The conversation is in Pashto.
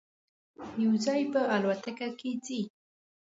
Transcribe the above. یو ځای به الوتکه کې ځی.